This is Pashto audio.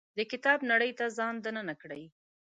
د کتاب نړۍ ته ځان دننه کړي.